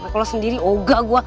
kalau sendiri ogah gue